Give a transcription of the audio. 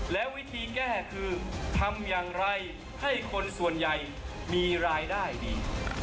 และวิธีแก้คือทำอย่างไรให้คนส่วนใหญ่มีรายได้ดี